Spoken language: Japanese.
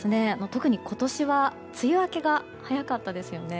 特に今年は梅雨明けが早かったですよね。